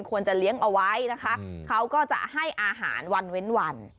ควรจะเลี้ยงเอาไว้นะคะเขาก็จะให้อาหารวันเว้นวัน